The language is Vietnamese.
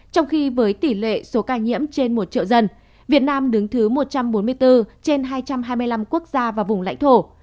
trong khi với tỷ lệ số ca nhiễm trên một triệu dân việt nam đứng thứ một trăm bốn mươi bốn trên hai trăm hai mươi năm quốc gia và vùng lãnh thổ